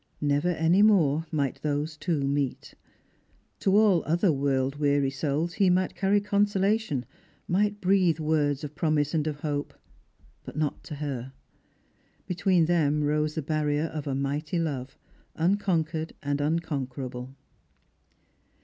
Never any more might those two meet. To all other world weary souls he might carry consolation, might breathe words of promise and of hope; but not to her. Between them rose the barrier of a mighty love, unconquered and unconquer ' able.